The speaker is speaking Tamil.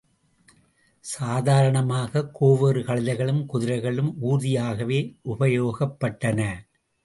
சாதாரணமாகக் கோவேறு கழுதைகளும், குதிரைகளும் ஊர்தியாகவே உபயோகிக்கப்பட்டன.